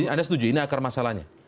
anda setuju ini akar masalahnya